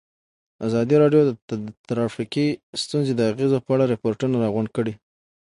ازادي راډیو د ټرافیکي ستونزې د اغېزو په اړه ریپوټونه راغونډ کړي.